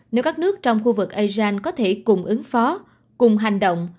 nếu các nước trong khu vực asean có thể cùng ứng phó cùng hành động